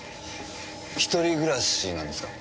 一人暮らしなんですか？